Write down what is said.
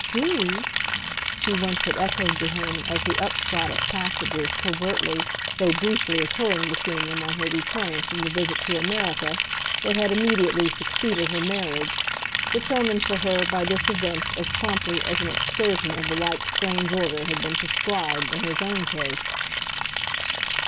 "'Do'?" she once had echoed to him as the upshot of passages covertly, though briefly, occurring between them on her return from the visit to America that had immediately succeeded her marriage, determined for her by this event as promptly as an excursion of the like strange order had been prescribed in his own case.